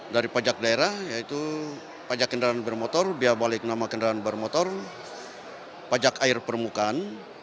dari pajak daerah yaitu pajak kendaraan bermotor biaya balik nama kendaraan bermotor pajak air permukaan